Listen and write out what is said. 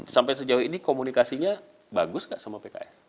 sampai sejauh ini komunikasinya bagus gak sama pks